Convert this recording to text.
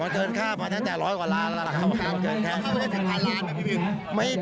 มันเกินค่ามานางแต่ร้อยกว่าร้านละครับ